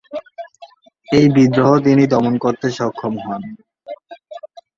এই বিদ্রোহ তিনি দমন করতে সক্ষম হন।